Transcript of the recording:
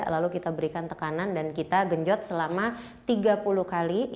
lalu kita berikan tekanan dan kita genjot selama tiga puluh kali